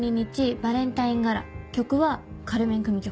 バレンタイン・ガラ曲は『カルメン組曲』」。